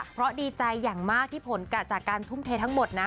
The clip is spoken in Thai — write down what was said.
เพราะดีใจอย่างมากที่ผลจากการทุ่มเททั้งหมดนะ